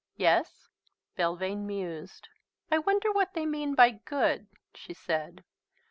"Yes." Belvane mused. "I wonder what they mean by good," she said.